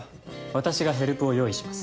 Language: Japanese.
私がヘルプを用意します。